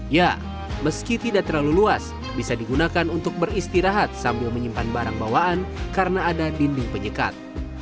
ya meski tidak terlalu luas bisa digunakan untuk beristirahat sambil menyimpan barang bawaan karena ada dinding penyekat